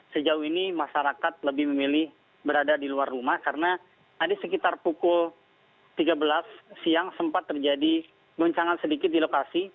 sejauh ini masyarakat lebih memilih berada di luar rumah karena tadi sekitar pukul tiga belas siang sempat terjadi goncangan sedikit di lokasi